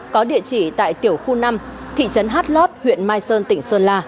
có địa chỉ tại tiểu khu năm thị trấn hát lót huyện mai sơn tỉnh sơn la